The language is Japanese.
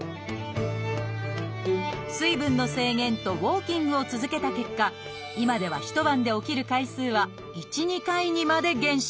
水分の制限とウォーキングを続けた結果今では一晩で起きる回数は１２回にまで減少。